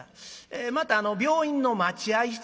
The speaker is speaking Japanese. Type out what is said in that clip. また病院の待合室